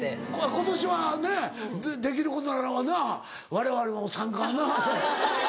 今年はねできることならばなわれわれも参加なぁ。